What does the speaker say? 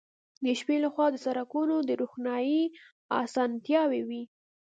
د شپې له خوا د سړکونو د روښنايي اسانتیاوې وې